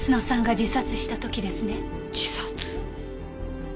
自殺？